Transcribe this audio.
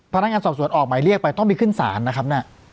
พนักงานสอบสวนออกหมายเรียกไปต้องไปขึ้นศาลนะครับ